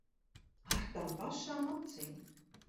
Ar tām pašām acīm.